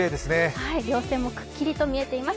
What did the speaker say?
りょう線もくっきりと見えています。